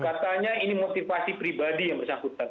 katanya ini motivasi pribadi yang bersangkutan